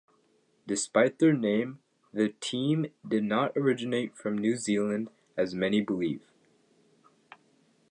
Despite their name, the team did not originate from New Zealand as many believe.